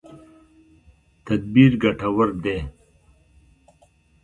تدبیر ګټور دی.